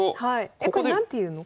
えこれ何ていうの？